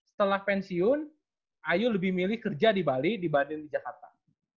setelah pensiun ayu lebih milih kerja di bali dibanding di jakarta